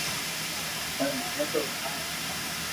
پر مني تو ھڻاو